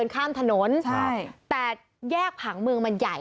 ข้ามถนนใช่แต่แยกผังเมืองมันใหญ่